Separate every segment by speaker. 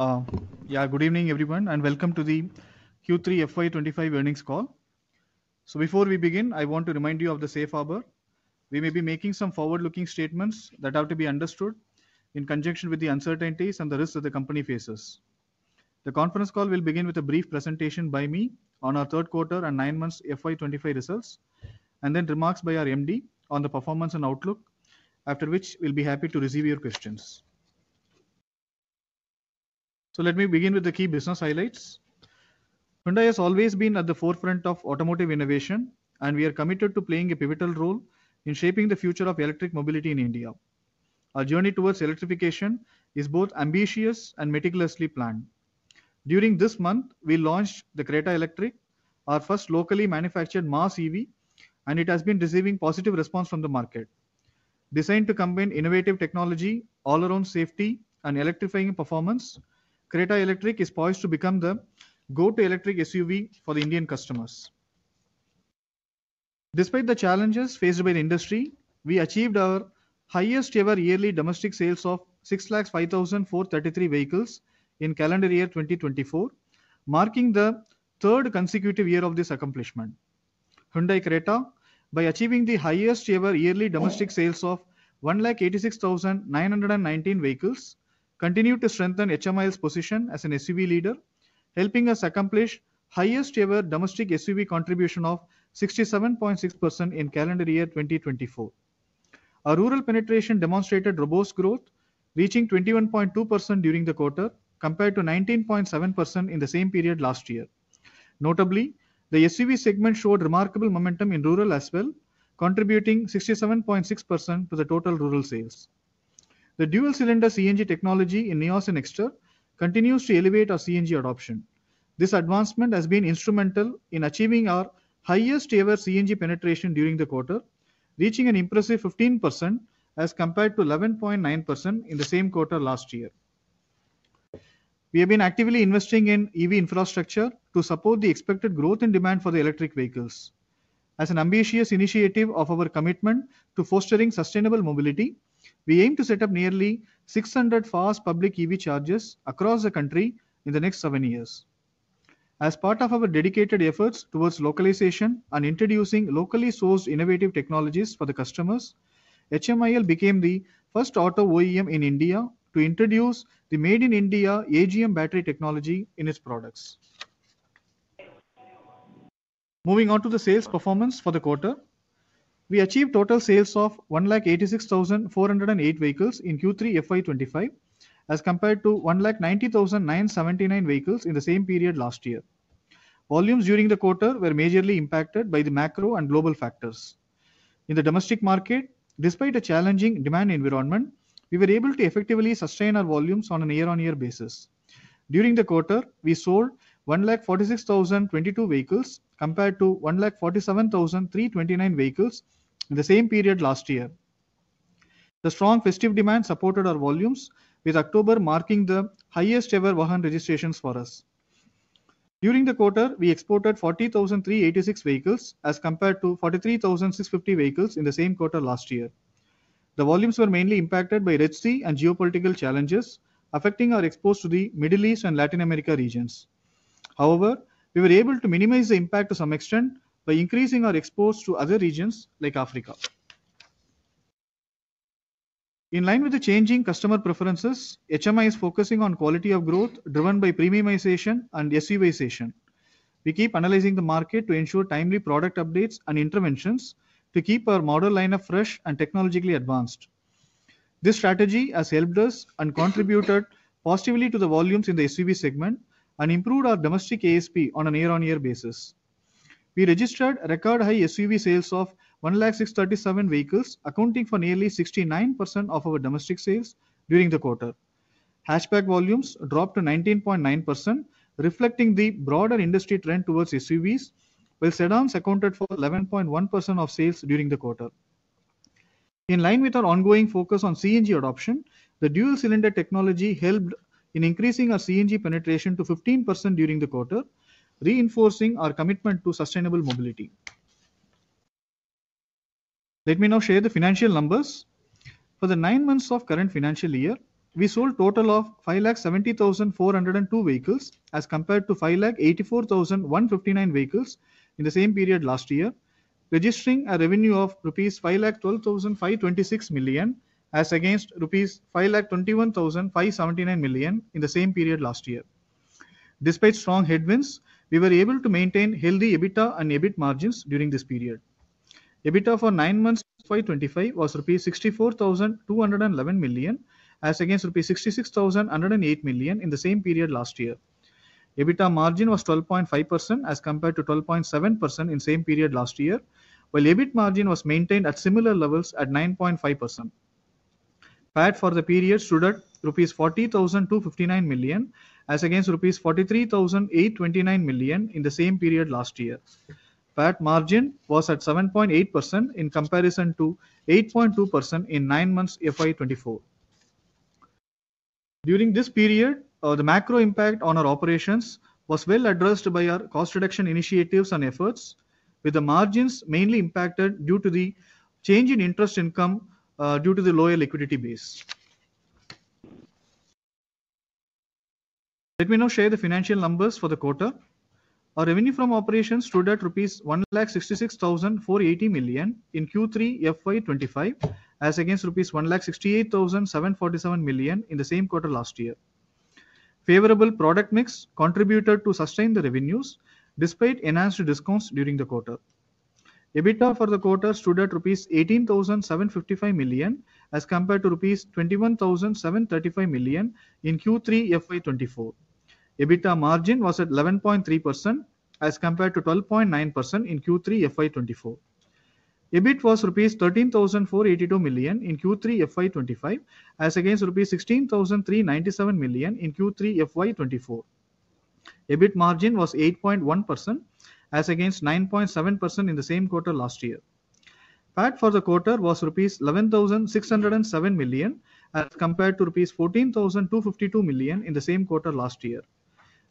Speaker 1: Yeah, good evening, everyone, and welcome to the Q3 FY 2025 Earnings Call. So before we begin, I want to remind you of the safe harbor. We may be making some forward-looking statements that have to be understood in conjunction with the uncertainties and the risks that the company faces. The conference call will begin with a brief presentation by me on our third quarter and nine months FY 2025 results, and then remarks by our MD on the performance and outlook, after which we'll be happy to receive your questions. So let me begin with the key business highlights. Hyundai has always been at the forefront of automotive innovation, and we are committed to playing a pivotal role in shaping the future of electric mobility in India. Our journey towards electrification is both ambitious and meticulously planned. During this month, we launched the Creta Electric, our first locally manufactured mass EV, and it has been receiving positive responses from the market. Designed to combine innovative technology, all-around safety, and electrifying performance, Creta Electric is poised to become the go-to electric SUV for the Indian customers. Despite the challenges faced by the industry, we achieved our highest-ever yearly domestic sales of 605,433 vehicles in calendar year 2024, marking the third consecutive year of this accomplishment. Hyundai Creta, by achieving the highest-ever yearly domestic sales of 186,919 vehicles, continued to strengthen HMI's position as an SUV leader, helping us accomplish the highest-ever domestic SUV contribution of 67.6% in calendar year 2024. Our rural penetration demonstrated robust growth, reaching 21.2% during the quarter, compared to 19.7% in the same period last year. Notably, the SUV segment showed remarkable momentum in rural as well, contributing 67.6% to the total rural sales. The dual-cylinder CNG technology in NIOS and EXTER continues to elevate our CNG adoption. This advancement has been instrumental in achieving our highest-ever CNG penetration during the quarter, reaching an impressive 15% as compared to 11.9% in the same quarter last year. We have been actively investing in EV infrastructure to support the expected growth in demand for the electric vehicles. As an ambitious initiative of our commitment to fostering sustainable mobility, we aim to set up nearly 600 fast public EV chargers across the country in the next seven years. As part of our dedicated efforts towards localization and introducing locally sourced innovative technologies for the customers, HMIL became the first auto OEM in India to introduce the made-in-India AGM battery technology in its products. Moving on to the sales performance for the quarter, we achieved total sales of 186,408 vehicles in Q3 FY 2025, as compared to 190,979 vehicles in the same period last year. Volumes during the quarter were majorly impacted by the macro and global factors. In the domestic market, despite a challenging demand environment, we were able to effectively sustain our volumes on a year-on-year basis. During the quarter, we sold 146,022 vehicles compared to 147,329 vehicles in the same period last year. The strong festive demand supported our volumes, with October marking the highest-ever Vahan registrations for us. During the quarter, we exported 40,386 vehicles as compared to 43,650 vehicles in the same quarter last year. The volumes were mainly impacted by Red Sea and geopolitical challenges affecting our exports to the Middle East and Latin America regions. However, we were able to minimize the impact to some extent by increasing our exports to other regions like Africa. In line with the changing customer preferences, HMI is focusing on quality of growth driven by premiumization and SUVization. We keep analyzing the market to ensure timely product updates and interventions to keep our model lineup fresh and technologically advanced. This strategy has helped us and contributed positively to the volumes in the SUV segment and improved our domestic ASP on a year-on-year basis. We registered record-high SUV sales of 100,637 vehicles, accounting for nearly 69% of our domestic sales during the quarter. Hatchback volumes dropped to 19.9%, reflecting the broader industry trend towards SUVs, while sedans accounted for 11.1% of sales during the quarter. In line with our ongoing focus on CNG adoption, the dual-cylinder technology helped in increasing our CNG penetration to 15% during the quarter, reinforcing our commitment to sustainable mobility. Let me now share the financial numbers. For the nine months of the current financial year, we sold a total of 570,402 vehicles as compared to 584,159 vehicles in the same period last year, registering a revenue of rupees 512,526 million as against rupees 521,579 million in the same period last year. Despite strong headwinds, we were able to maintain healthy EBITDA and EBIT margins during this period. EBITDA for nine months FY 2025 was rupees 64,211 million as against rupees 66,108 million in the same period last year. EBITDA margin was 12.5% as compared to 12.7% in the same period last year, while EBIT margin was maintained at similar levels at 9.5%. PAT for the period stood at rupees 40,259 million as against rupees 43,829 million in the same period last year. PAT margin was at 7.8% in comparison to 8.2% in nine months FY 2024. During this period, the macro impact on our operations was well addressed by our cost reduction initiatives and efforts, with the margins mainly impacted due to the change in interest income due to the lower liquidity base. Let me now share the financial numbers for the quarter. Our revenue from operations stood at rupees 166,480 million in Q3 FY 2025 as against rupees 168,747 million in the same quarter last year. Favorable product mix contributed to sustain the revenues despite enhanced discounts during the quarter. EBITDA for the quarter stood at rupees 18,755 million as compared to rupees 21,735 million in Q3 FY 2024. EBITDA margin was at 11.3% as compared to 12.9% in Q3 FY 2024. EBIT was rupees 13,482 million in Q3 FY 2025 as against rupees 16,397 million in Q3 FY 2024. EBIT margin was 8.1% as against 9.7% in the same quarter last year. PAT for the quarter was rupees 11,607 million as compared to rupees 14,252 million in the same quarter last year.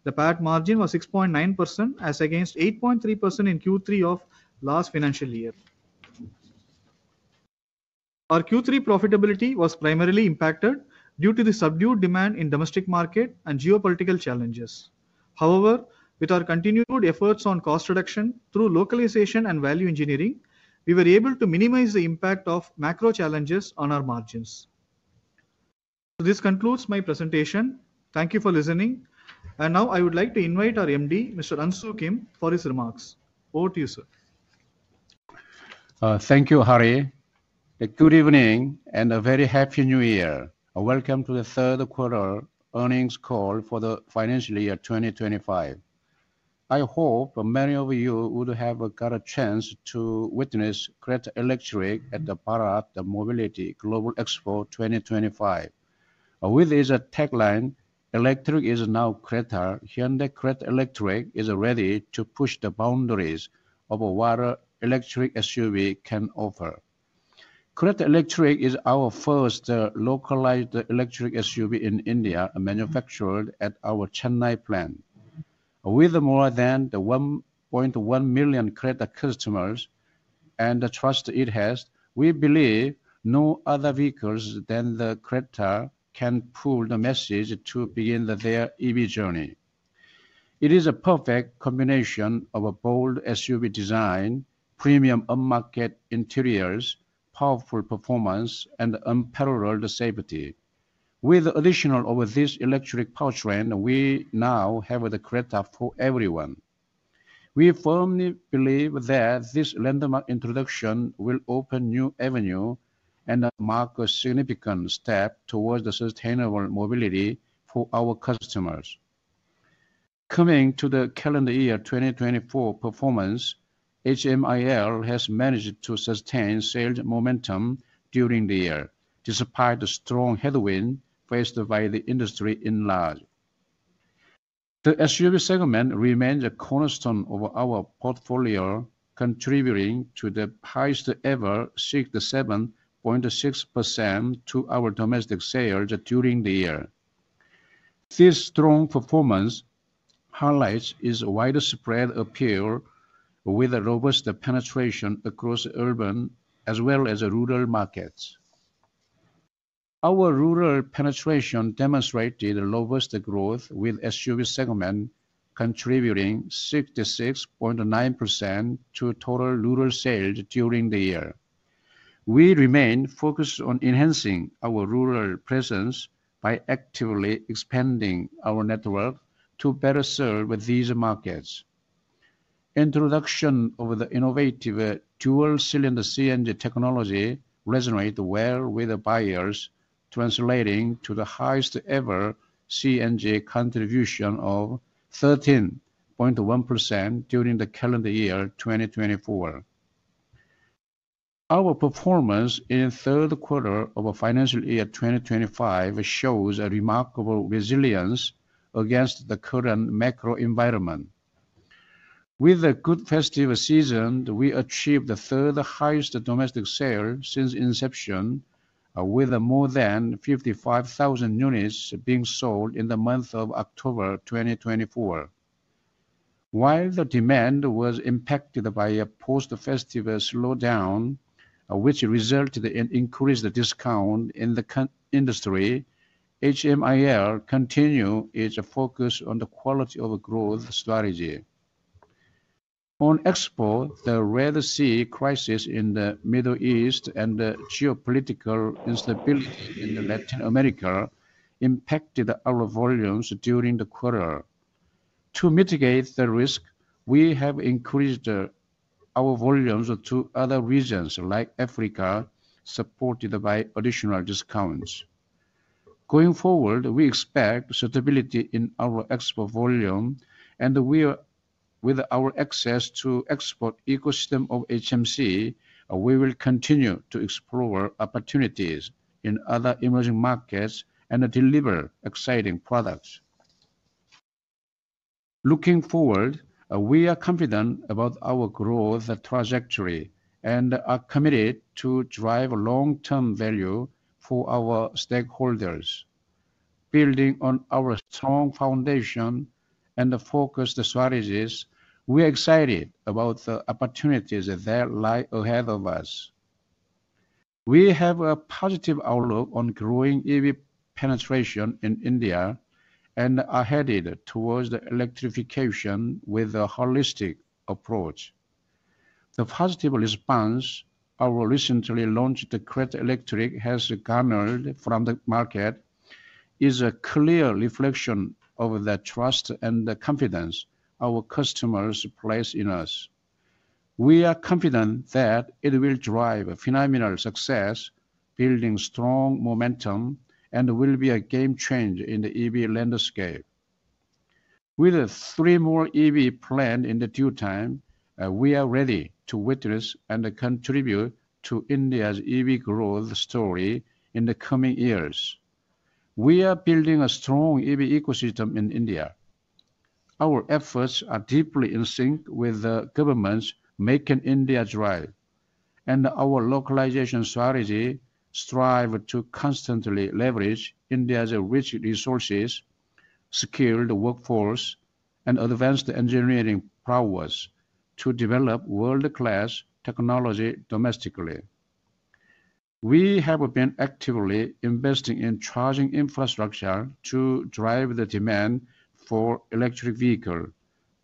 Speaker 1: The PAT margin was 6.9% as against 8.3% in Q3 of last financial year. Our Q3 profitability was primarily impacted due to the subdued demand in the domestic market and geopolitical challenges. However, with our continued efforts on cost reduction through localization and value engineering, we were able to minimize the impact of macro challenges on our margins. This concludes my presentation. Thank you for listening. And now I would like to invite our MD, Mr. Unsoo Kim, for his remarks. Over to you, sir.
Speaker 2: Thank you, Hari. Good evening and a very happy new year. Welcome to the third quarter earnings call for the financial year 2025. I hope many of you would have got a chance to witness Creta Electric at the Bharat Mobility Global Expo 2025. With this tagline, "Electric is now Creta," Hyundai Creta Electric is ready to push the boundaries of what electric SUV can offer. Creta Electric is our first localized electric SUV in India, manufactured at our Chennai plant. With more than 1.1 million Creta customers and the trust it has, we believe no other vehicle than the Creta can pull the masses to begin their EV journey. It is a perfect combination of a bold SUV design, premium unmatched interiors, powerful performance, and unparalleled safety. With the addition of this electric powertrain, we now have the Creta for everyone. We firmly believe that this landmark introduction will open new avenues and mark a significant step towards sustainable mobility for our customers. Coming to the calendar year 2024 performance, HMIL has managed to sustain sales momentum during the year, despite the strong headwinds faced by the industry at large. The SUV segment remains a cornerstone of our portfolio, contributing to the highest-ever 67.6% to our domestic sales during the year. This strong performance highlights its widespread appeal, with robust penetration across urban as well as rural markets. Our rural penetration demonstrated robust growth, with the SUV segment contributing 66.9% to total rural sales during the year. We remain focused on enhancing our rural presence by actively expanding our network to better serve these markets. Introduction of the innovative dual-cylinder CNG technology resonated well with buyers, translating to the highest-ever CNG contribution of 13.1% during the calendar year 2024. Our performance in the third quarter of financial year 2025 shows remarkable resilience against the current macro environment. With the good festive season, we achieved the third-highest domestic sales since inception, with more than 55,000 units being sold in the month of October 2024. While the demand was impacted by a post-festive slowdown, which resulted in increased discounts in the industry, HMIL continued its focus on the quality of growth strategy. On export, the Red Sea crisis in the Middle East and the geopolitical instability in Latin America impacted our volumes during the quarter. To mitigate the risk, we have increased our volumes to other regions like Africa, supported by additional discounts. Going forward, we expect stability in our export volume, and with our access to the export ecosystem of HMC, we will continue to explore opportunities in other emerging markets and deliver exciting products. Looking forward, we are confident about our growth trajectory and are committed to driving long-term value for our stakeholders. Building on our strong foundation and focused strategies, we are excited about the opportunities that lie ahead of us. We have a positive outlook on growing EV penetration in India and are headed towards electrification with a holistic approach. The positive response our recently launched Creta Electric has garnered from the market is a clear reflection of the trust and confidence our customers place in us. We are confident that it will drive phenomenal success, building strong momentum, and will be a game changer in the EV landscape. With three more EV plants in due time, we are ready to witness and contribute to India's EV growth story in the coming years. We are building a strong EV ecosystem in India. Our efforts are deeply in sync with the government's Make in India drive, and our localization strategy strives to constantly leverage India's rich resources, skilled workforce, and advanced engineering prowess to develop world-class technology domestically. We have been actively investing in charging infrastructure to drive the demand for electric vehicles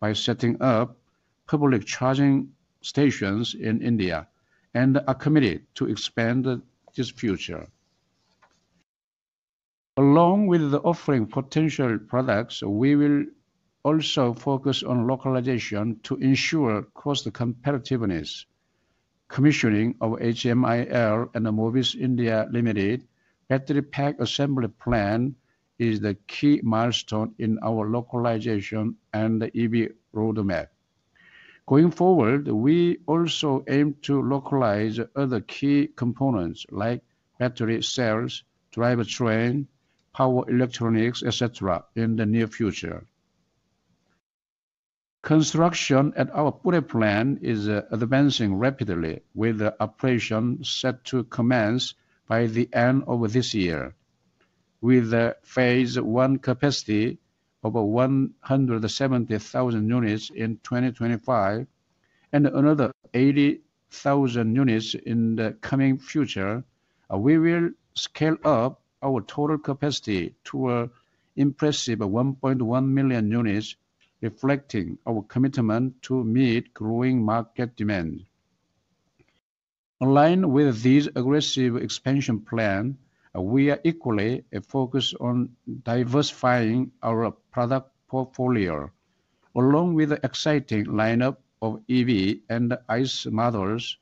Speaker 2: by setting up public charging stations in India and are committed to expanding this further. Along with offering potential products, we will also focus on localization to ensure cost competitiveness. Commissioning of HMIL and Mobis India Limited Battery Pack Assembly Plant is the key milestone in our localization and EV roadmap. Going forward, we also aim to localize other key components like battery cells, drivetrain, power electronics, etc., in the near future. Construction at our Pune plant is advancing rapidly, with the operation set to commence by the end of this year. With phase I capacity of 170,000 units in 2025 and another 80,000 units in the coming future, we will scale up our total capacity to an impressive 1.1 million units, reflecting our commitment to meet growing market demand. Aligned with this aggressive expansion plan, we are equally focused on diversifying our product portfolio. Along with the exciting lineup of EV and ICE models,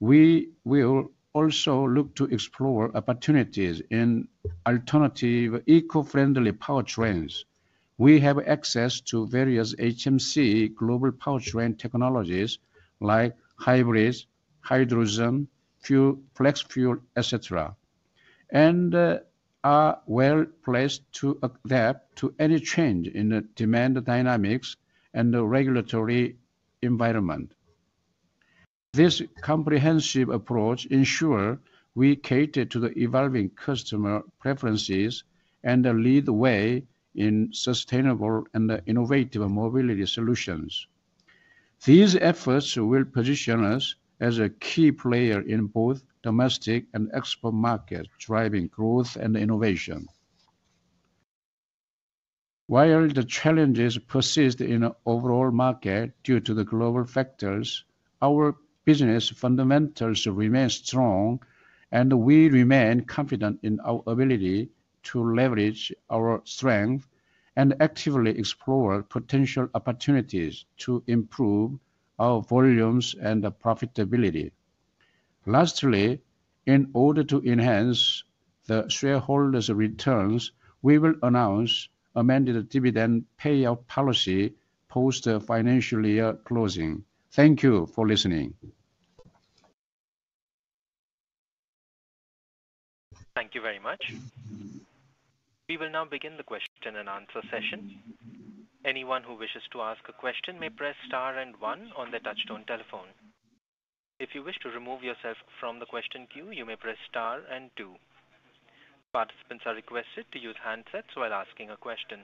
Speaker 2: we will also look to explore opportunities in alternative eco-friendly powertrains. We have access to various HMC global powertrain technologies like hybrids, hydrogen, flex fuel, etc., and are well placed to adapt to any change in demand dynamics and regulatory environment. This comprehensive approach ensures we cater to the evolving customer preferences and lead the way in sustainable and innovative mobility solutions. These efforts will position us as a key player in both domestic and export markets, driving growth and innovation. While the challenges persist in the overall market due to the global factors, our business fundamentals remain strong, and we remain confident in our ability to leverage our strengths and actively explore potential opportunities to improve our volumes and profitability. Lastly, in order to enhance the shareholders' returns, we will announce amended dividend payout policy post-financial year closing. Thank you for listening.
Speaker 3: Thank you very much. We will now begin the question and answer session. Anyone who wishes to ask a question may press star and one on the touch-tone telephone. If you wish to remove yourself from the question queue, you may press star and two. Participants are requested to use handsets while asking a question.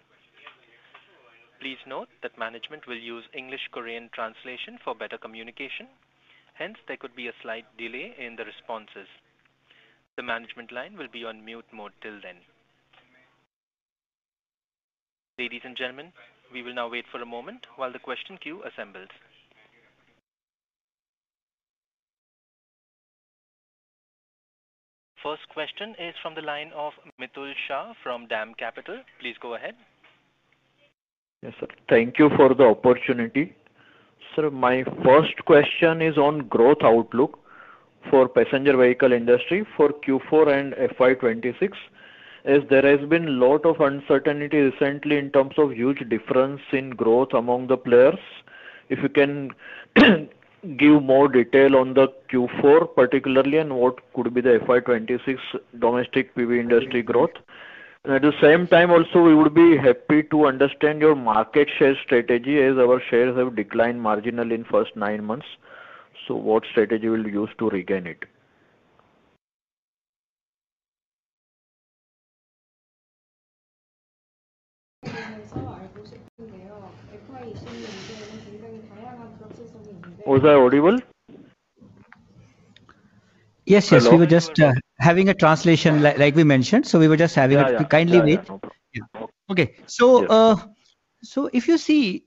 Speaker 3: Please note that management will use English-Korean translation for better communication. Hence, there could be a slight delay in the responses. The management line will be on mute mode till then. Ladies and gentlemen, we will now wait for a moment while the question queue assembles. First question is from the line of Mitul Shah from DAM Capital. Please go ahead.
Speaker 4: Yes, sir. Thank you for the opportunity. Sir, my first question is on growth outlook for the passenger vehicle industry for Q4 and FY 2026, as there has been a lot of uncertainty recently in terms of huge difference in growth among the players. If you can give more detail on the Q4 particularly and what could be the FY 2026 domestic PV industry growth? At the same time, also, we would be happy to understand your market share strategy as our shares have declined marginally in the first nine months. So what strategy will you use to regain it? Was that audible?
Speaker 5: Yes, yes. We were just having a translation, like we mentioned. So we were just having a kindly wait. Okay. So if you see,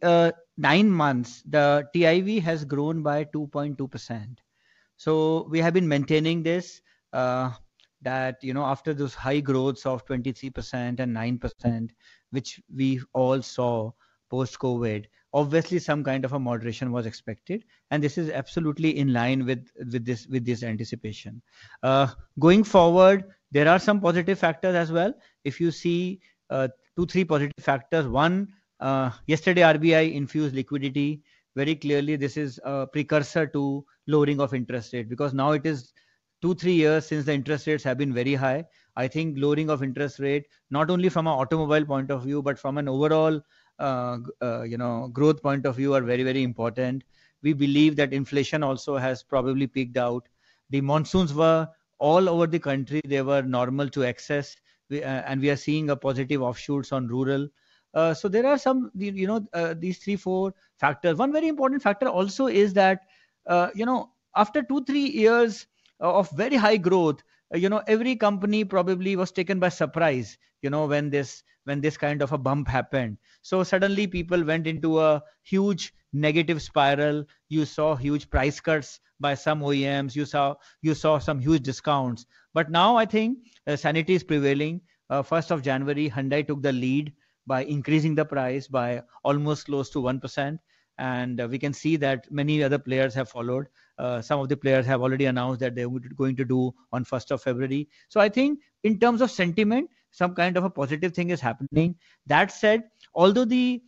Speaker 5: nine months, the TIV has grown by 2.2%. So we have been maintaining this that after those high growths of 23% and 9%, which we all saw post-COVID, obviously some kind of a moderation was expected. And this is absolutely in line with this anticipation. Going forward, there are some positive factors as well. If you see two, three positive factors. One, yesterday, RBI infused liquidity very clearly. This is a precursor to lowering of interest rates because now it is two, three years since the interest rates have been very high. I think lowering of interest rates, not only from an automobile point of view, but from an overall growth point of view, are very, very important. We believe that inflation also has probably peaked out. The monsoons were all over the country. They were normal to excess. And we are seeing positive offshoots in rural. So there are some of these three, four factors. One very important factor also is that after two, three years of very high growth, every company probably was taken by surprise when this kind of a slump happened. So suddenly, people went into a huge negative spiral. You saw huge price cuts by some OEMs. You saw some huge discounts. But now, I think sanity is prevailing. First of January, Hyundai took the lead by increasing the price by almost close to 1%. And we can see that many other players have followed. Some of the players have already announced that they are going to do on the 1st of February. So I think in terms of sentiment, some kind of a positive thing is happening. That said, although the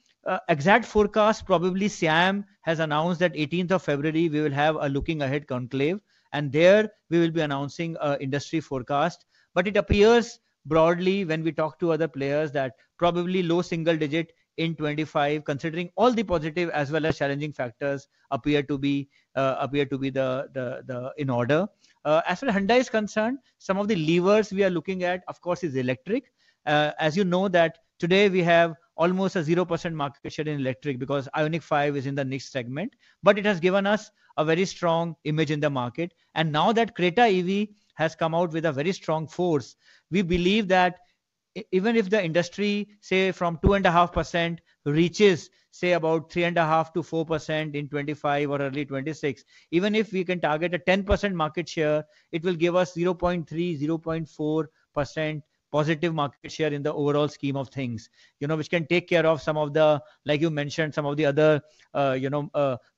Speaker 5: exact forecast, probably SIAM has announced that on the 18th of February, we will have a Looking Ahead Conclave. And there, we will be announcing an industry forecast. But it appears broadly when we talk to other players that probably low single digit in 2025, considering all the positive as well as challenging factors appear to be in order. As for Hyundai's concern, some of the levers we are looking at, of course, is electric. As you know, today, we have almost a 0% market share in electric because IONIQ 5 is in the next segment. But it has given us a very strong image in the market. Now that Creta EV has come out with a very strong force, we believe that even if the industry, say, from 2.5% reaches, say, about 3.5% to 4% in 2025 or early 2026, even if we can target a 10% market share, it will give us 0.3%, 0.4% positive market share in the overall scheme of things, which can take care of some of the, like you mentioned, some of the other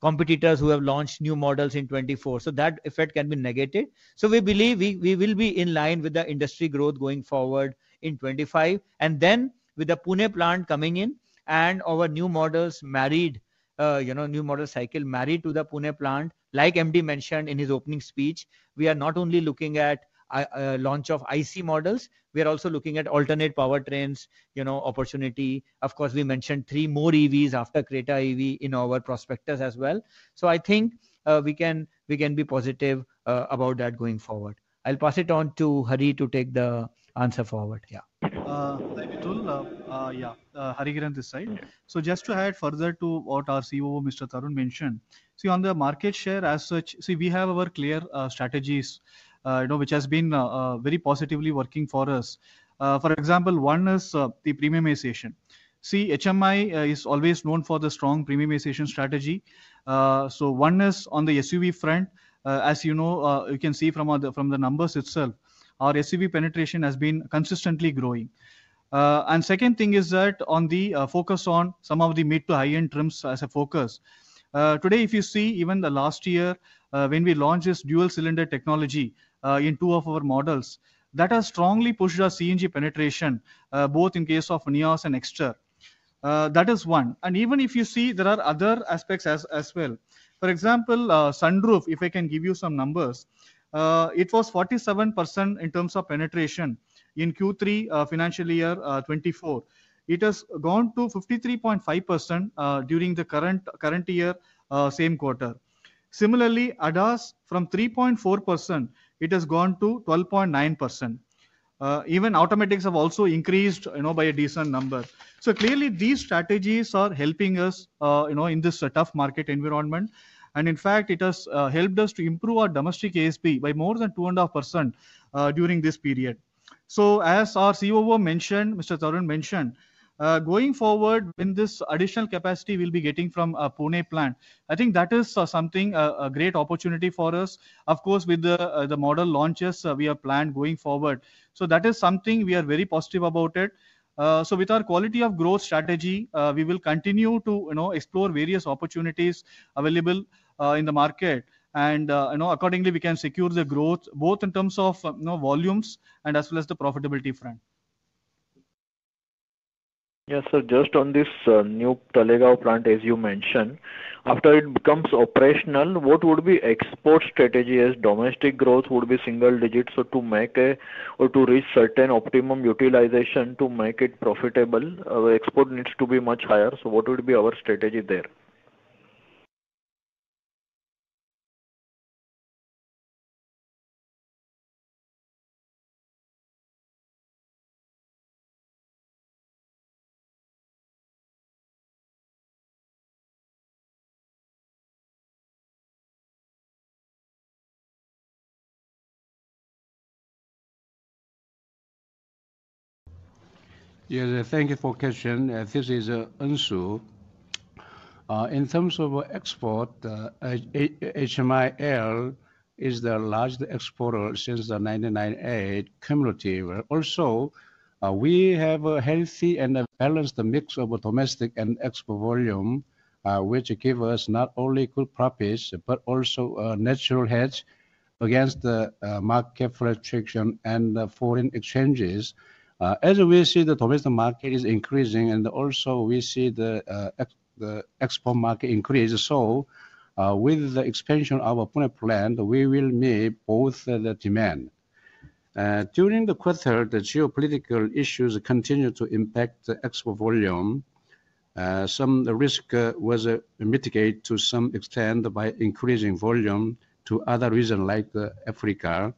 Speaker 5: competitors who have launched new models in 2024. So that effect can be negated. So we believe we will be in line with the industry growth going forward in 2025. And then with the Pune plant coming in and our new models, new model cycle married to the Pune plant, like MD mentioned in his opening speech, we are not only looking at the launch of ICE models. We are also looking at alternate powertrains opportunity. Of course, we mentioned three more EVs after Creta EV in our prospectus as well. So I think we can be positive about that going forward. I'll pass it on to Hari to take the answer forward. Yeah.
Speaker 1: Hi, Mitul. Yeah, Hariharan this side. So just to add further to what our COO, Mr. Tarun, mentioned, see, on the market share as such, see, we have our clear strategies which have been very positively working for us. For example, one is the premiumization. See, HMI is always known for the strong premiumization strategy. So one is on the SUV front. As you know, you can see from the numbers itself, our SUV penetration has been consistently growing. And the second thing is that on the focus on some of the mid to high-end trims as a focus. Today, if you see, even the last year, when we launched this dual-cylinder technology in two of our models, that has strongly pushed our CNG penetration, both in case of NIOS and EXTER. That is one. And even if you see, there are other aspects as well. For example, sunroof, if I can give you some numbers, it was 47% in terms of penetration in Q3 financial year 2024. It has gone to 53.5% during the current year, same quarter. Similarly, ADAS from 3.4%, it has gone to 12.9%. Even automatics have also increased by a decent number. So clearly, these strategies are helping us in this tough market environment. And in fact, it has helped us to improve our domestic ASP by more than 2.5% during this period. So as our COO mentioned, Mr. Tarun mentioned, going forward, when this additional capacity we'll be getting from Pune plant, I think that is something, a great opportunity for us. Of course, with the model launches we have planned going forward. So that is something we are very positive about. So with our quality of growth strategy, we will continue to explore various opportunities available in the market. And accordingly, we can secure the growth both in terms of volumes and as well as the profitability front.
Speaker 4: Yes, sir. Just on this new Talegaon plant, as you mentioned, after it becomes operational, what would be the export strategy as domestic growth would be single digit? So to make a or to reach certain optimum utilization to make it profitable, our export needs to be much higher. So what would be our strategy there?
Speaker 2: Yes, thank you for the question. This is Unsoo. In terms of export, HMIL is the largest exporter since 1998, cumulative. Also, we have a healthy and balanced mix of domestic and export volume, which gives us not only good profits, but also a natural hedge against the market fluctuation and foreign exchanges. As we see, the domestic market is increasing, and also, we see the export market increase, so with the expansion of our Pune plant, we will meet both the demand. During the quarter, the geopolitical issues continue to impact the export volume. Some risk was mitigated to some extent by increasing volume to other regions like Africa.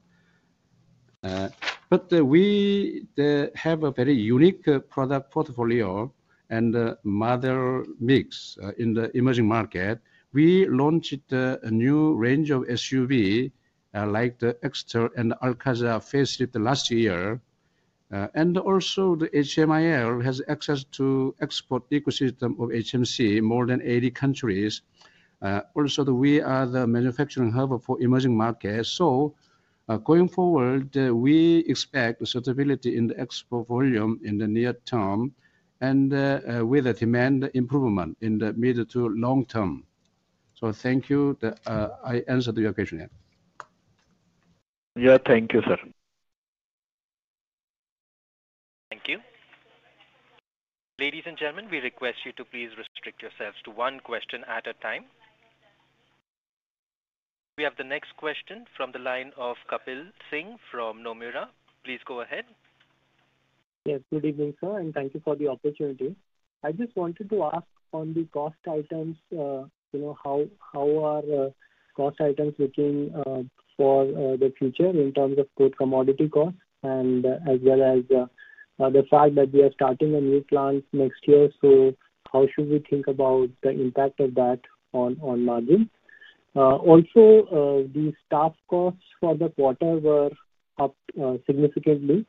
Speaker 2: But we have a very unique product portfolio and model mix in the emerging market, we launched a new range of SUVs like the EXTER and ALCAZAR facelift last year. And also, the HMIL has access to the export ecosystem of HMC, more than 80 countries. Also, we are the manufacturing hub for emerging markets. So going forward, we expect sustainability in the export volume in the near term and with the demand improvement in the mid to long term. So thank you. I answered your question.
Speaker 4: Yeah, thank you, sir.
Speaker 3: Thank you. Ladies and gentlemen, we request you to please restrict yourselves to one question at a time. We have the next question from the line of Kapil Singh from Nomura. Please go ahead.
Speaker 6: Yes, good evening, sir. And thank you for the opportunity. I just wanted to ask on the cost items, how are cost items looking for the future in terms of good commodity costs and as well as the fact that we are starting a new plant next year? So how should we think about the impact of that on margin? Also, the staff costs for the quarter were up significantly.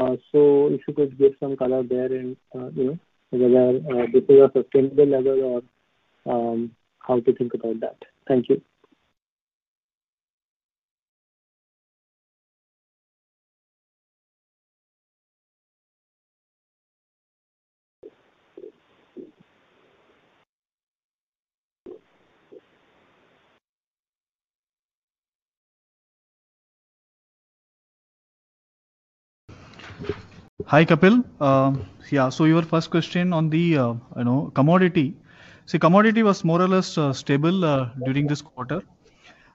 Speaker 6: So if you could give some color there and whether this is a sustainable level or how to think about that. Thank you.
Speaker 1: Hi, Kapil. Yeah, so your first question on the commodity. See, commodity was more or less stable during this quarter.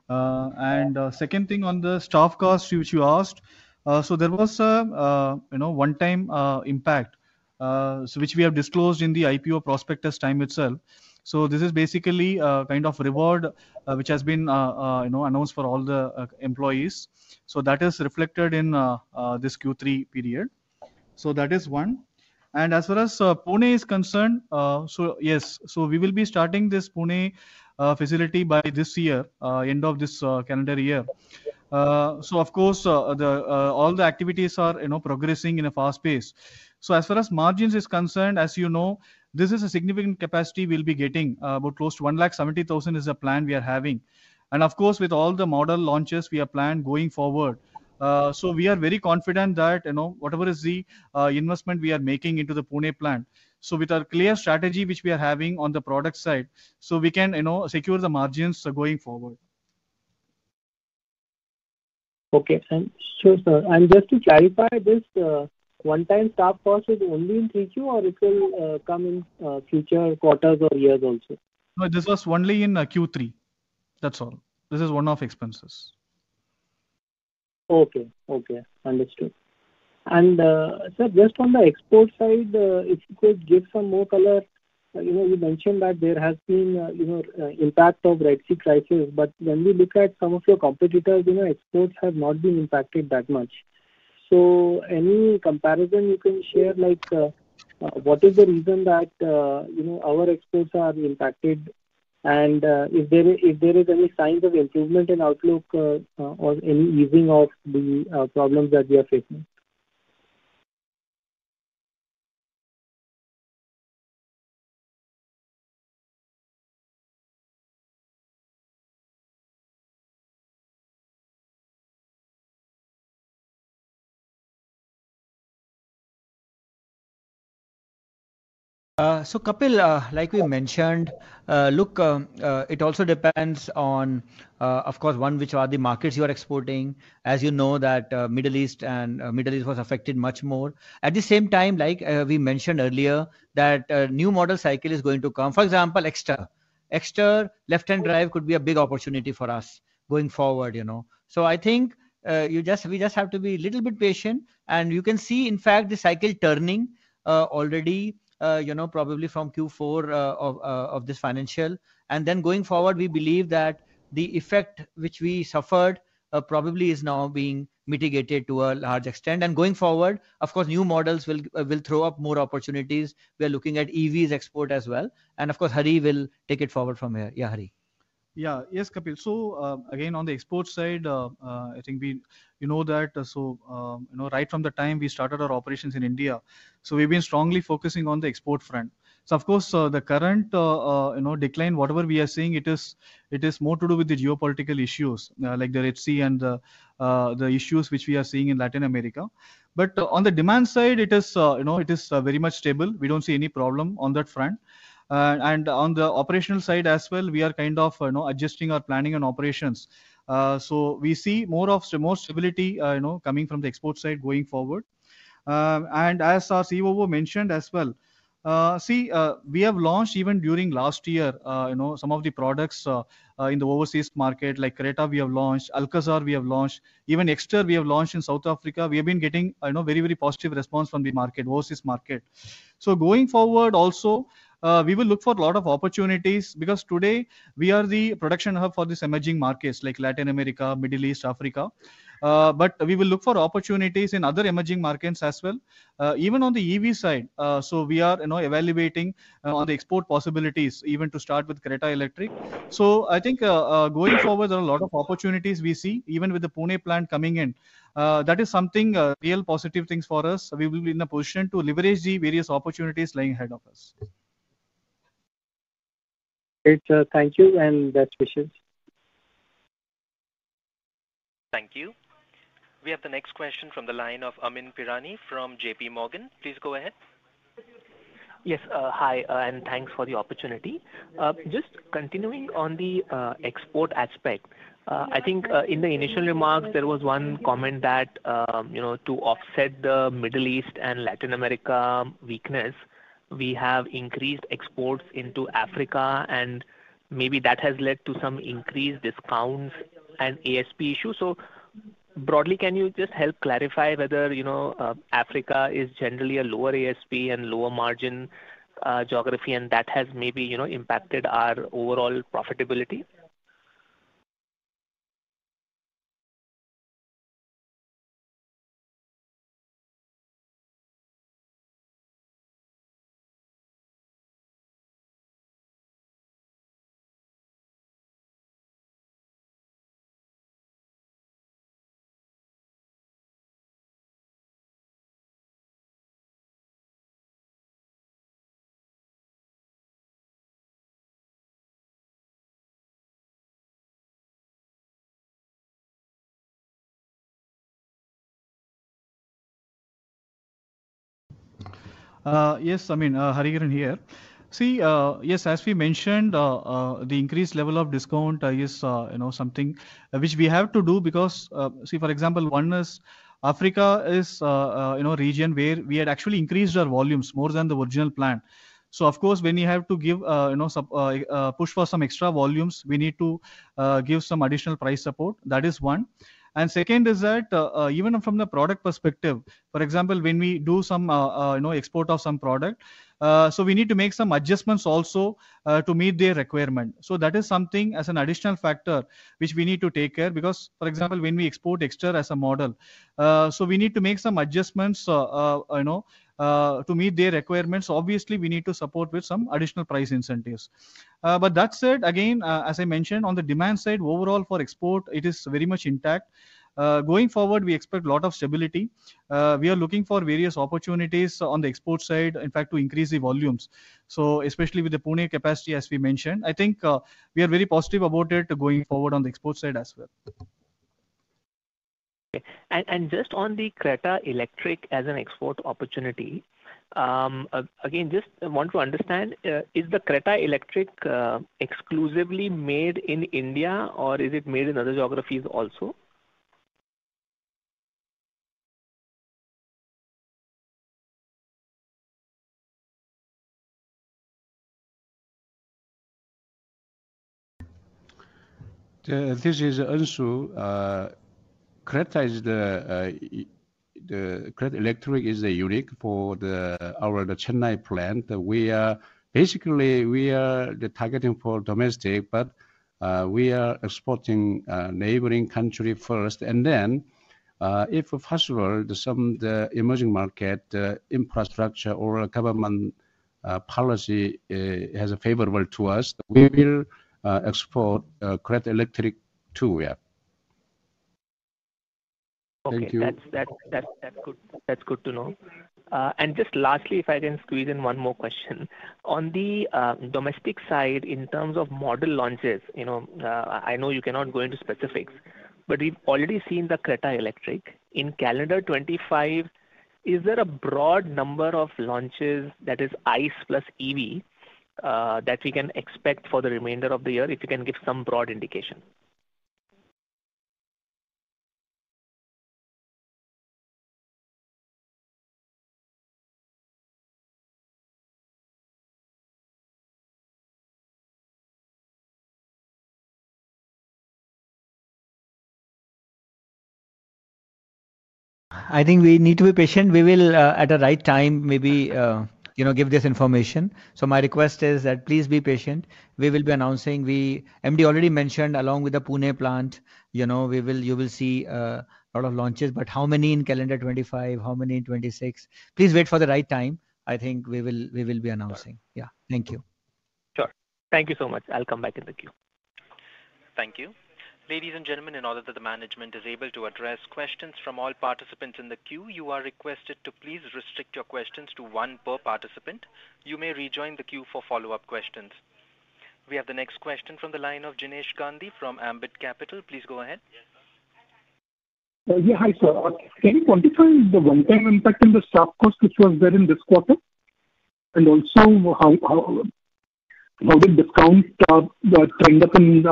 Speaker 1: And second thing on the staff cost, which you asked, so there was a one-time impact, which we have disclosed in the IPO prospectus time itself. So this is basically a kind of reward which has been announced for all the employees. So that is reflected in this Q3 period. So that is one. And as far as Pune is concerned, so yes, so we will be starting this Pune facility by this year, end of this calendar year. So of course, all the activities are progressing in a fast pace. So as far as margins are concerned, as you know, this is a significant capacity we'll be getting. About close to 170,000 is the plan we are having. And of course, with all the model launches we have planned going forward, so we are very confident that whatever is the investment we are making into the Pune plant. So with our clear strategy, which we are having on the product side, so we can secure the margins going forward.
Speaker 6: Okay. And just to clarify, this one-time staff cost is only in Q2, or it will come in future quarters or years also?
Speaker 1: No, this was only in Q3. That's all. This is one of the expenses.
Speaker 6: Okay. Okay. Understood. And sir, just on the export side, if you could give some more color. You mentioned that there has been an impact of the Red Sea crisis. But when we look at some of your competitors, exports have not been impacted that much. So any comparison you can share? What is the reason that our exports are impacted? And if there is any signs of improvement in outlook or any easing of the problems that we are facing?
Speaker 5: So Kapil, like we mentioned, look, it also depends on, of course, one, which are the markets you are exporting. As you know, the Middle East was affected much more. At the same time, like we mentioned earlier, that a new model cycle is going to come. For example, EXTER. EXTER, left-hand drive, could be a big opportunity for us going forward. So I think we just have to be a little bit patient. And you can see, in fact, the cycle turning already, probably from Q4 of this financial. And then going forward, we believe that the effect which we suffered probably is now being mitigated to a large extent. And going forward, of course, new models will throw up more opportunities. We are looking at EVs export as well. And of course, Hari will take it forward from here. Yeah, Hari.
Speaker 1: Yeah. Yes, Kapil. So again, on the export side, I think you know that. So right from the time we started our operations in India, so we've been strongly focusing on the export front. So of course, the current decline, whatever we are seeing, it is more to do with the geopolitical issues, like the Red Sea and the issues which we are seeing in Latin America. But on the demand side, it is very much stable. We don't see any problem on that front. And on the operational side as well, we are kind of adjusting our planning and operations. So we see more stability coming from the export side going forward. And as our COO mentioned as well, see, we have launched even during last year some of the products in the overseas market, like Creta, we have launched. ALCAZAR, we have launched. Even EXTER, we have launched in South Africa. We have been getting very, very positive response from the market, overseas market. So going forward, also, we will look for a lot of opportunities because today, we are the production hub for these emerging markets, like Latin America, Middle East, Africa. But we will look for opportunities in other emerging markets as well, even on the EV side. So we are evaluating on the export possibilities, even to start with Creta Electric. So I think going forward, there are a lot of opportunities we see, even with the Pune plant coming in. That is something, real positive things for us. We will be in a position to leverage the various opportunities lying ahead of us.
Speaker 6: Great. Thank you and best wishes.
Speaker 3: Thank you. We have the next question from the line of Amyn Pirani from JPMorgan. Please go ahead.
Speaker 7: Yes, hi, and thanks for the opportunity. Just continuing on the export aspect, I think in the initial remarks, there was one comment that to offset the Middle East and Latin America weakness, we have increased exports into Africa. And maybe that has led to some increased discounts and ASP issues. So broadly, can you just help clarify whether Africa is generally a lower ASP and lower margin geography, and that has maybe impacted our overall profitability?
Speaker 1: Yes, Amyn, Hariharan here. See, yes, as we mentioned, the increased level of discount is something which we have to do because, see, for example, one is Africa is a region where we had actually increased our volumes more than the original plan. So of course, when we have to give push for some extra volumes, we need to give some additional price support. That is one. And second is that even from the product perspective, for example, when we do some export of some product, so we need to make some adjustments also to meet their requirement. So that is something as an additional factor which we need to take care because, for example, when we export EXTER as a model, so we need to make some adjustments to meet their requirements. Obviously, we need to support with some additional price incentives. But that said, again, as I mentioned, on the demand side, overall for export, it is very much intact. Going forward, we expect a lot of stability. We are looking for various opportunities on the export side, in fact, to increase the volumes, so especially with the Pune capacity, as we mentioned. I think we are very positive about it going forward on the export side as well.
Speaker 7: Okay, and just on the Creta Electric as an export opportunity, again, just want to understand, is the Creta Electric exclusively made in India, or is it made in other geographies also?
Speaker 2: This is Unsoo. Creta Electric is unique for our Chennai plant. Basically, we are targeting for domestic, but we are exporting neighboring countries first. And then if possible, some of the emerging market infrastructure or government policy is favorable to us, we will export Creta Electric too. Yeah. Thank you.
Speaker 7: Okay. That's good to know. And just lastly, if I can squeeze in one more question. On the domestic side, in terms of model launches, I know you cannot go into specifics, but we've already seen the Creta Electric. In calendar 2025, is there a broad number of launches that is ICE plus EV that we can expect for the remainder of the year? If you can give some broad indication.
Speaker 5: I think we need to be patient. We will, at the right time, maybe give this information. So my request is that please be patient. We will be announcing. MD already mentioned, along with the Pune plant, you will see a lot of launches. But how many in calendar 2025? How many in 2026? Please wait for the right time. I think we will be announcing. Yeah. Thank you.
Speaker 7: Sure. Thank you so much. I'll come back in the queue.
Speaker 3: Thank you. Ladies and gentlemen, in order that the management is able to address questions from all participants in the queue, you are requested to please restrict your questions to one per participant. You may rejoin the queue for follow-up questions. We have the next question from the line of Jinesh Gandhi from Ambit Capital. Please go ahead.
Speaker 8: Yeah, hi, sir. Can you quantify the one-time impact in the staff cost which was there in this quarter? And also, how did discount trend up in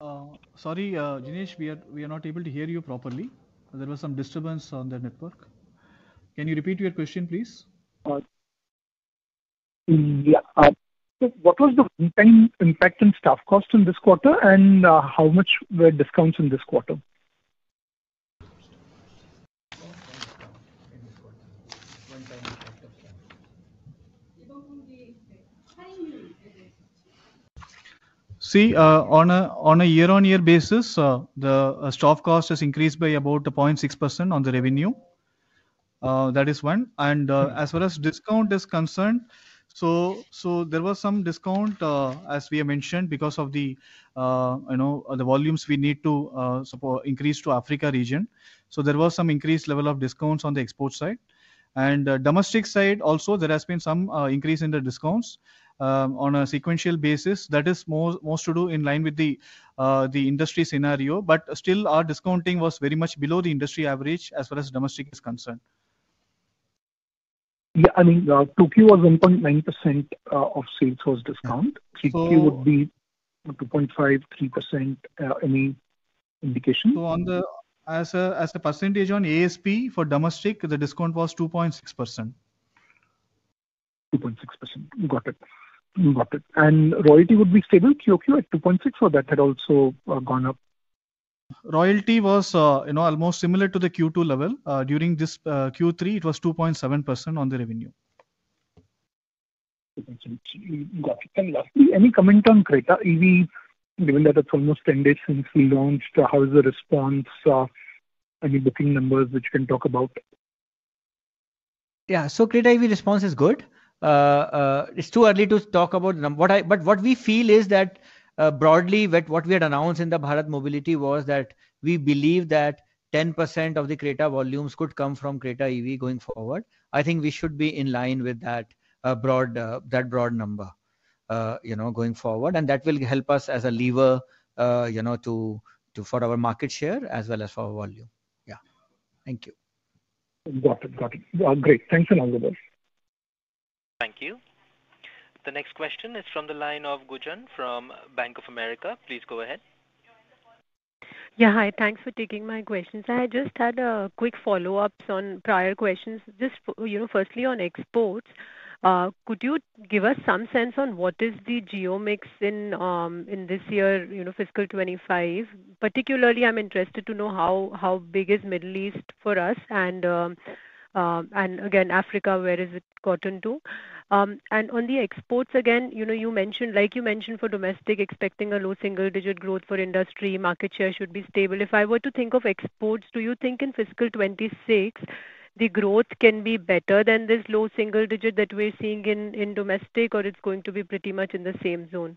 Speaker 8: Q2?
Speaker 1: Sorry, Jinesh, we are not able to hear you properly. There was some disturbance on the network. Can you repeat your question, please?
Speaker 8: Yeah. So what was the one-time impact in staff cost in this quarter, and how much were discounts in this quarter?
Speaker 1: See, on a year-on-year basis, the staff cost has increased by about 0.6% on the revenue. That is one. And as far as discount is concerned, so there was some discount, as we have mentioned, because of the volumes we need to increase to Africa region. So there was some increased level of discounts on the export side. And domestic side, also, there has been some increase in the discounts on a sequential basis. That is most to do in line with the industry scenario. But still, our discounting was very much below the industry average as far as domestic is concerned.
Speaker 8: Yeah. I mean, 2Q was 1.9% of sales was discounted. Q3 would be 2.5%, 3%. Any indication?
Speaker 1: As a percentage on ASP for domestic, the discount was 2.6%.
Speaker 8: 2.6%. Got it. Got it. And royalty would be stable Q2 at 2.6%, or that had also gone up?
Speaker 1: Royalty was almost similar to the Q2 level. During this Q3, it was 2.7% on the revenue.
Speaker 8: Got it. And lastly, any comment on Creta EV, given that it's almost 10 days since we launched? How is the response? Any booking numbers which you can talk about?
Speaker 5: Yeah. So Creta EV response is good. It's too early to talk about. But what we feel is that broadly, what we had announced in the Bharat Mobility was that we believe that 10% of the Creta volumes could come from Creta EV going forward. I think we should be in line with that broad number going forward. And that will help us as a lever for our market share as well as for our volume. Yeah. Thank you.
Speaker 8: Got it. Got it. Great. Thanks a lot.
Speaker 3: Thank you. The next question is from the line of Gunjan from Bank of America. Please go ahead.
Speaker 9: Yeah. Hi. Thanks for taking my questions. I just had quick follow-ups on prior questions. Just firstly, on exports, could you give us some sense on what the geo mix is in this year, fiscal 2025? Particularly, I'm interested to know how big the Middle East is for us, and again, Africa, where has it gotten to? And on the exports, again, like you mentioned, for domestic, expecting a low single-digit growth for industry, market share should be stable. If I were to think of exports, do you think in fiscal 2026 the growth can be better than this low single-digit that we're seeing in domestic, or it's going to be pretty much in the same zone?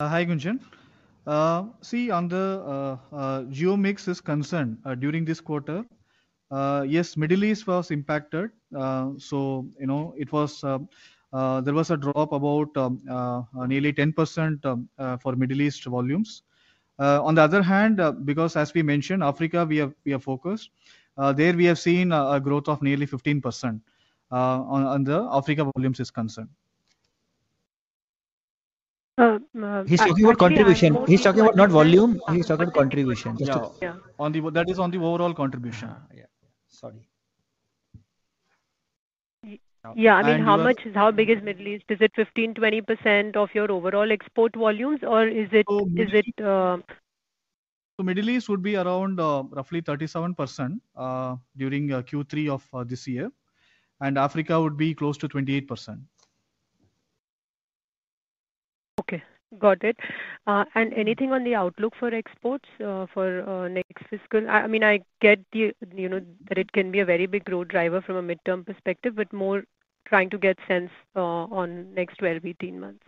Speaker 1: Hi, Gunjan. See, on the geo mix is concerned during this quarter, yes, Middle East was impacted. So there was a drop of about nearly 10% for Middle East volumes. On the other hand, because as we mentioned, Africa, we are focused, there we have seen a growth of nearly 15% on the Africa volumes is concerned.
Speaker 5: He's talking about contribution. He's talking about not volume. He's talking about contribution.
Speaker 1: Yeah. That is on the overall contribution. Yeah. Sorry.
Speaker 9: Yeah. I mean, how big is Middle East? Is it 15%, 20% of your overall export volumes, or is it?
Speaker 1: Middle East would be around roughly 37% during Q3 of this year. Africa would be close to 28%.
Speaker 9: Okay. Got it. And anything on the outlook for exports for next fiscal? I mean, I get that it can be a very big growth driver from a midterm perspective, but more trying to get sense on next 12, 18 months.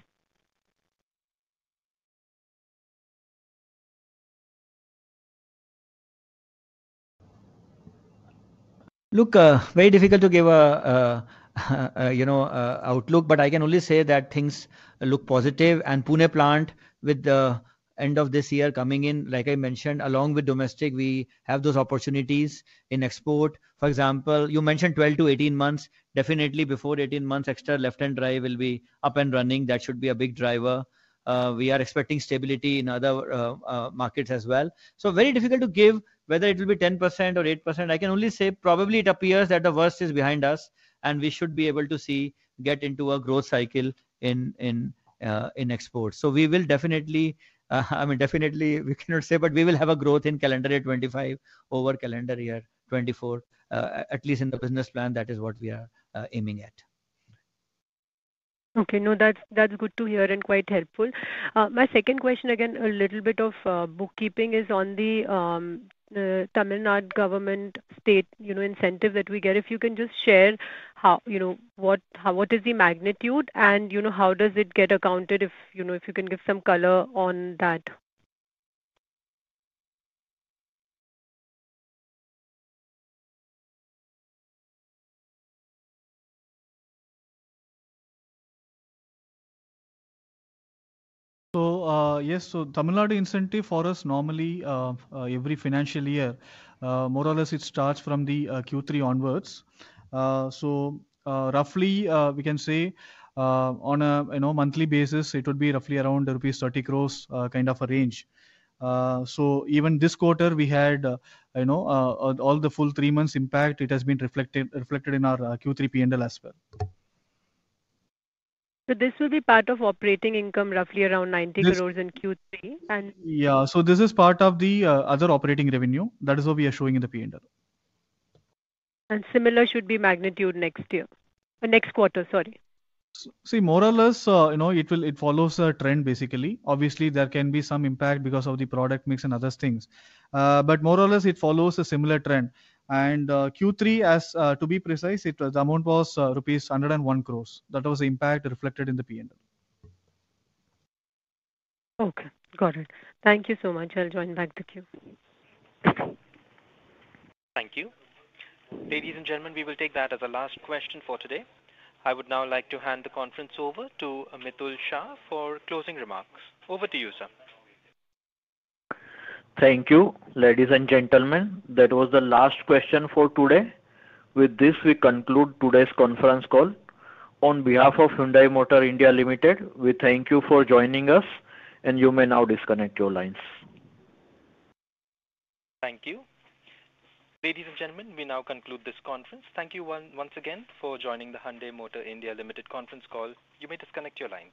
Speaker 5: Look, very difficult to give an outlook, but I can only say that things look positive, and Pune plant, with the end of this year coming in, like I mentioned, along with domestic, we have those opportunities in export. For example, you mentioned 12-18 months. Definitely, before 18 months, EXTER left-hand drive will be up and running. That should be a big driver. We are expecting stability in other markets as well. Very difficult to give whether it will be 10% or 8%. I can only say, probably it appears that the worst is behind us, and we should be able to see, get into a growth cycle in exports. We will definitely, I mean, definitely, we cannot say, but we will have a growth in calendar year 2025 over calendar year 2024, at least in the business plan. That is what we are aiming at.
Speaker 9: Okay. No, that's good to hear and quite helpful. My second question, again, a little bit of bookkeeping is on the Tamil Nadu government state incentive that we get. If you can just share what is the magnitude and how does it get accounted, if you can give some color on that.
Speaker 1: So, yes, so Tamil Nadu incentive for us normally, every financial year, more or less, it starts from the Q3 onwards. So roughly, we can say, on a monthly basis, it would be roughly around rupees 30 crores kind of a range. So even this quarter, we had all the full three months impact. It has been reflected in our Q3 P&L as well.
Speaker 9: So this will be part of operating income, roughly around 90 crores in Q3, and.
Speaker 1: Yeah. So this is part of the other operating revenue. That is what we are showing in the P&L.
Speaker 9: And similar should be magnitude next year. Next quarter, sorry.
Speaker 1: See, more or less, it follows a trend, basically. Obviously, there can be some impact because of the product mix and other things. But more or less, it follows a similar trend. And Q3, to be precise, the amount was rupees 101 crores. That was the impact reflected in the P&L.
Speaker 9: Okay. Got it. Thank you so much. I'll join back the queue.
Speaker 3: Thank you. Ladies and gentlemen, we will take that as a last question for today. I would now like to hand the conference over to Mitul Shah for closing remarks. Over to you, sir.
Speaker 4: Thank you, ladies and gentlemen. That was the last question for today. With this, we conclude today's conference call. On behalf of Hyundai Motor India Limited, we thank you for joining us, and you may now disconnect your lines.
Speaker 3: Thank you. Ladies and gentlemen, we now conclude this conference. Thank you once again for joining the Hyundai Motor India Limited conference call. You may disconnect your lines.